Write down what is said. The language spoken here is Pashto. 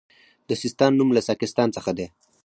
د سیستان نوم له ساکستان څخه دی